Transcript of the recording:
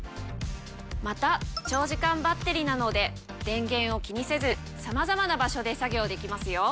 また長時間バッテリなので電源を気にせずさまざまな場所で作業できますよ。